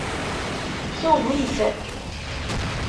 Tugi-t.